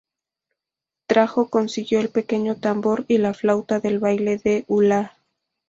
Trajo consigo el pequeño tambor y la flauta del baile del hula.